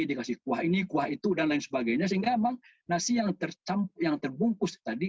dikasih kuah ini kuah itu dan lain sebagainya sehingga memang nasi yang terbungkus tadi